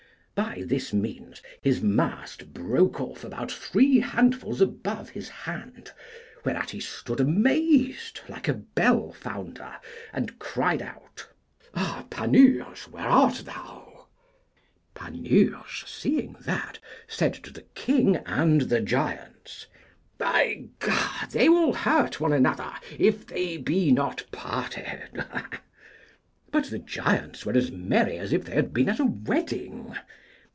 By this means his mast broke off about three handfuls above his hand, whereat he stood amazed like a bell founder, and cried out, Ah, Panurge, where art thou? Panurge, seeing that, said to the king and the giants, By G , they will hurt one another if they be not parted. But the giants were as merry as if they had been at a wedding.